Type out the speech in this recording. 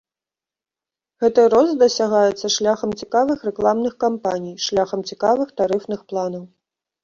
Гэты рост дасягаецца шляхам цікавых рэкламных кампаній, шляхам цікавых тарыфных планаў.